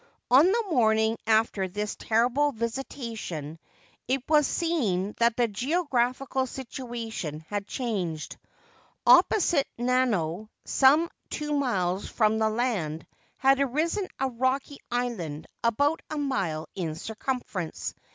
On the morning after this terrible visitation, it was seen that the geographical situation had changed. Opposite Nanao, some two miles from the land, had arisen a rocky island about a mile in circumference.